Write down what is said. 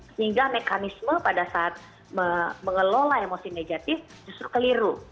sehingga mekanisme pada saat mengelola emosi negatif justru keliru